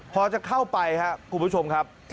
พอจะเข้าไปครับคุณผู้ชมครับ